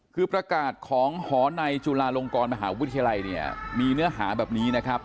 คือประกาศของหอในจุฬาลงกรมหาวิทยาลัยเนี่ยมีเนื้อหาแบบนี้นะครับ